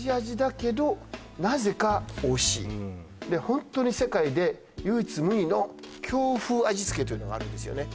ホントに「世界で唯一無二の」「京風味付け」というのがあるんですよね